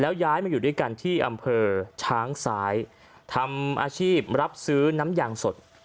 ย้ายมาอยู่ด้วยกันที่อำเภอช้างซ้ายทำอาชีพรับซื้อน้ำยางสด